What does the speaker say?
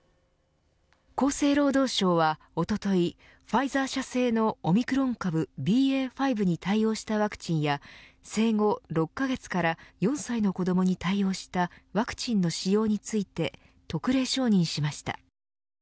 厚生労働省はおとといファイザー社製のオミクロン株ＢＡ．５に対応したワクチンや生後６カ月から４歳の子どもに対応したワクチンの使用について特例承認しました。